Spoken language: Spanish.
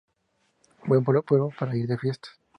Buen pueblo para ir de fiestas.